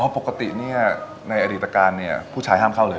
ปกติในอดีตการผู้ชายห้ามเข้าเลย